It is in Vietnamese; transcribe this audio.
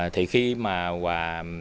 thì khi mà hoà